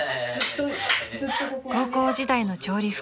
［高校時代の調理服。